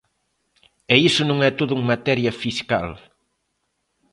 E iso non é todo en materia fiscal.